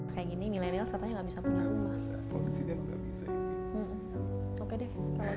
kayak gini milenial katanya nggak bisa punya rumah